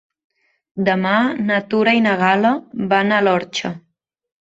Demà na Tura i na Gal·la van a l'Orxa.